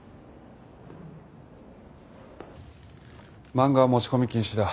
漫画は持ち込み禁止だ。